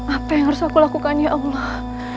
apa yang harus aku lakukan ya allah